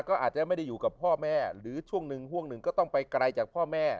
ก็อาจจะไม่ได้อยู่กับพ่อแม่หรือช่วงหนึ่งห่วงหนึ่งก็ต้องไปไกลจากพ่อแม่